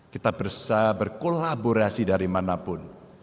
kita bisa berkolaborasi dari mana pun